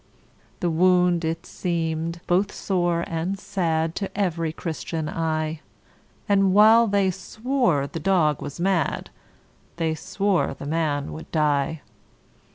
The wound it seem'd both sore and sad To every Christian eye; And while they swore the dog was mad, They swore the man would die.